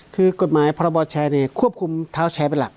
คือกฎหมายพรบแชร์ควบคุมเท้าแชร์เป็นหลัก